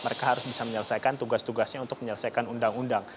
mereka harus bisa menyelesaikan tugas tugasnya untuk menyelesaikan undang undang